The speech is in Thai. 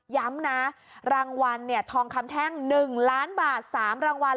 ย้ำนะรางวัลทองคำแท่ง๑ล้านบาท๓รางวัล